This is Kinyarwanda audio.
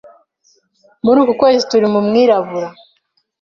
Muri uku kwezi turi mu mwirabura.